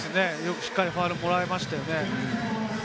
しっかりファウルをもらいましたね。